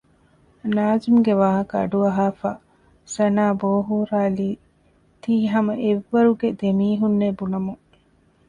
ނާޒިމްގެ ވާހަކަ އަޑުއަހާފައި ސަނާ ބޯހޫރާލީ ތީ ހަމަ އެއްވަރުގެ ދެމީހުންނޭ ބުނަމުން